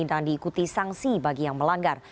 dan diikuti sanksi bagi yang melanggar